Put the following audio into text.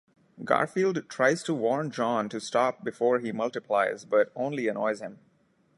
Garfield tries to warn Jon to stop before he multiplies, but only annoys him.